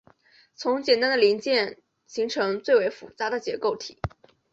从简单的零组件型式最为复杂的结构体。